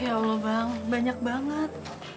ya allah bang banyak banget